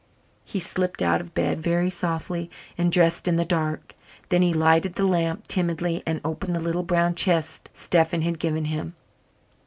He slipped out of bed very softly and dressed in the dark. Then he lighted the lamp timidly and opened the little brown chest Stephen had given him.